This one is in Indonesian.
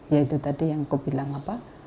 ya itu tadi yang kau bilang apa